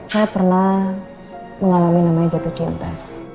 saya pernah mengalami namanya jatuh cinta